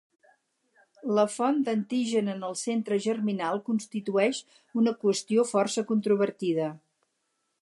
La font d'antigen en el centre germinal constitueix una qüestió força controvertida.